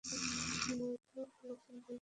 নয়তো লোকজন বলবে, ভারত লাল তো আসলেই মরে গেছে।